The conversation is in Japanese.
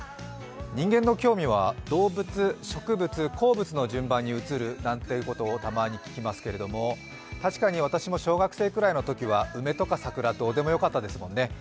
人間の興味は動物、植物、鉱物の順番に移るなんてことをたまに聞きますけれども、確かに私も小学生くらいのときは梅とか桜、どうでもよかったですもんね。